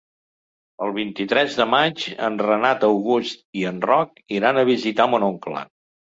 El vint-i-tres de maig en Renat August i en Roc iran a visitar mon oncle.